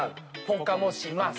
「ポカもします」